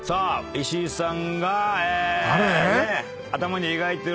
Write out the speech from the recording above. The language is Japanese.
石井さん